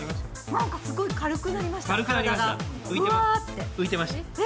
なんかすごい軽くなりました、体が。え！！